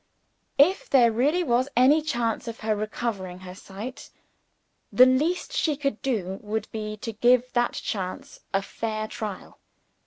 If there really was any chance of her recovering her sight, the least she could do would be to give that chance a fair trial.